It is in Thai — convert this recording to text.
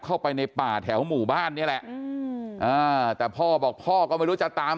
เข้าไปในป่าแถวหมู่บ้านนี่แหละแต่พ่อบอกพ่อก็ไม่รู้จะตาม